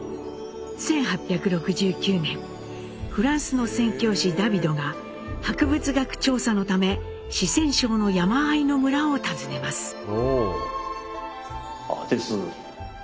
１８６９年フランスの宣教師ダヴィドが博物学調査のため四川省の山あいの村を訪ねます。